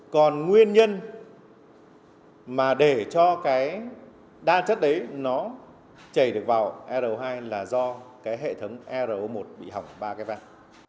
còn nguyên nhân mà để cho cái đa chất đấy nó chảy được vào ro hai là do cái hệ thống ro một bị hỏng ba cái van